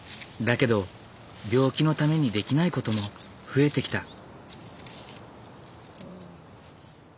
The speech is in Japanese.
だけど病気のためにできないことも増えてきた。